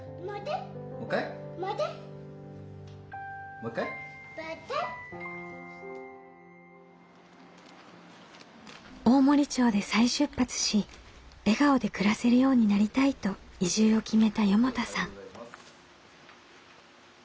もう一回？大森町で再出発し笑顔で暮らせるようになりたいと移住を決めた四方田さん。